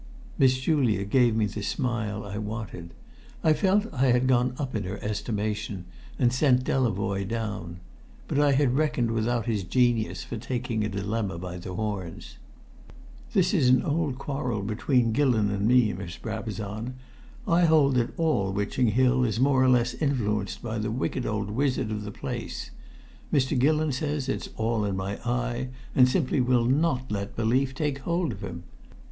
Miss Julia gave me the smile I wanted. I felt I had gone up in her estimation, and sent Delavoye down. But I had reckoned without his genius for taking a dilemma by the horns. "This is an old quarrel between Gillon and me, Miss Brabazon. I hold that all Witching Hill is more or less influenced by the wicked old wizard of the place. Mr. Gillon says it's all my eye, and simply will not let belief take hold of him.